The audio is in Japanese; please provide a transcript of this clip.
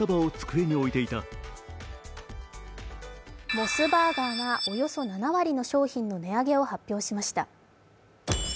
モスバーガーがおよそ７割の商品の値上げを発表しました。